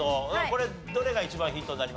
これどれが一番ヒントになりました？